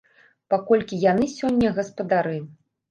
Паколькі яны сёння гаспадары.